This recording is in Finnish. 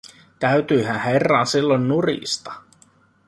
Täytyihän herran silloin nurista.